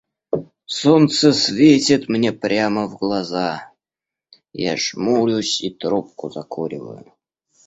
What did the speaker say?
Солнце светит мне прямо в глаза, я жмурюсь и трубку закуриваю.